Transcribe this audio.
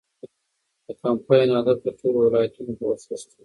د کمپاین هدف د ټولو ولایتونو پوښښ دی.